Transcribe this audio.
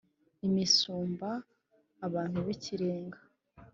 imisumba: abantu b’ikirenga